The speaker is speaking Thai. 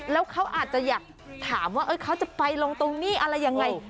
แล้วเขาอาจจะอยากถามว่าเขาจะไปลงตรงนี้อะไรยังไง